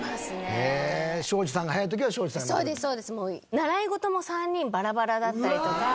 習い事も３人バラバラだったりとか。